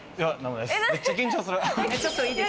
めっちゃ緊張する。